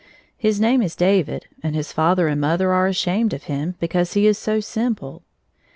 His name is David, and his father and mother are ashamed of him, hecause he is so simple."